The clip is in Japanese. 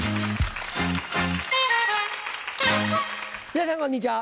皆さんこんにちは。